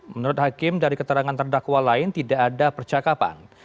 menurut hakim dari keterangan terdakwa lain tidak ada percakapan